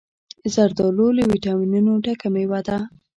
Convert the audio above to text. زردالو له ویټامینونو ډکه مېوه ده.